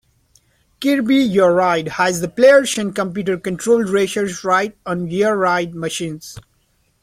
"Kirby Air Ride" has the players and computer-controlled racers ride on Air Ride Machines.